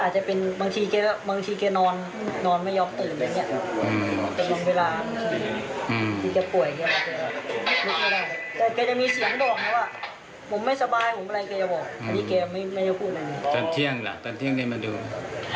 ยังไงก็ตามจะได้ส่งสรีระของพระอุดร